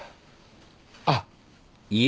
あっ。